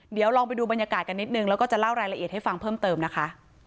เดี๋ยวลองไปดูบรรยากาศกันนิดนึงแล้วก็จะเล่ารายละเอียดให้ฟังเพิ่มเติมนะคะ